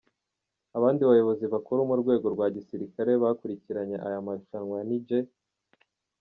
Abandi bayobozi bakuru mu rwego rwa gisirikare bakurikiranye aya marushanwa ni Gen.